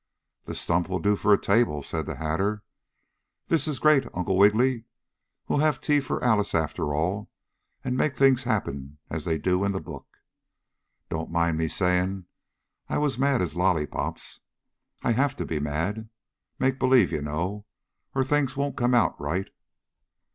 "The stump will do for a table," said the Hatter. "This is great, Uncle Wiggily! We'll have tea for Alice after all, and make things happen as they do in the book. Don't mind me saying I was as mad as lollypops. I have to be mad make believe, you know or things won't come out right."